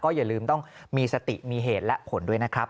อย่าลืมต้องมีสติมีเหตุและผลด้วยนะครับ